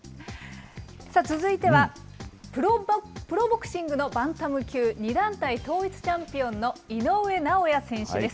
続いては、プロボクシングのバンタム級２団体統一チャンピオンの井上尚弥選手です。